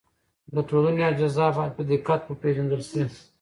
د ټولنې اجزا باید په دقت وپېژندل سي.